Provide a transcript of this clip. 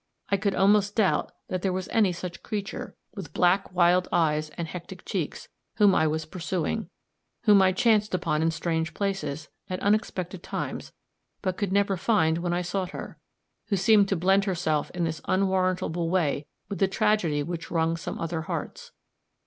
I could almost doubt that there was any such creature, with black, wild eyes and hectic cheeks, whom I was pursuing; whom I chanced upon in strange places, at unexpected times, but could never find when I sought her who seemed to blend herself in this unwarrantable way with the tragedy which wrung some other hearts.